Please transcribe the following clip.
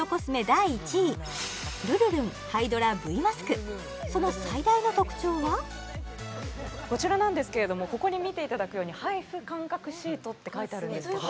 第１位ルルルンハイドラＶマスクその最大の特徴はこちらなんですけれどもここに見ていただくように「ＨＩＦＵ感覚シート」って書いてあるんですけど